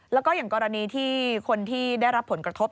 แล้วก็อย่างกรณีที่คนที่ได้รับผลกระทบ